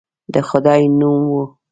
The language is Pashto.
د خدای نوم وو.